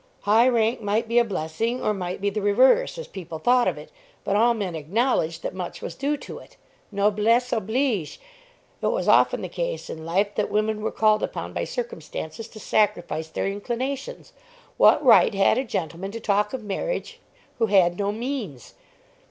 High rank might be a blessing or might be the reverse as people thought of it; but all men acknowledged that much was due to it. "Noblesse oblige." It was often the case in life that women were called upon by circumstances to sacrifice their inclinations! What right had a gentleman to talk of marriage who had no means?